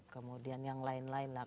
kemudian yang lain lain